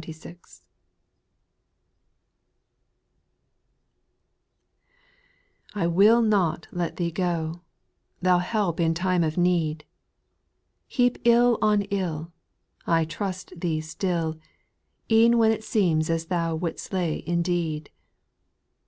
T WILL not let Thee go, Thou Help in dme X of need 1 Heap ill on ill, I trust Thee still, E^en when it seems as Thou would^st slay indeed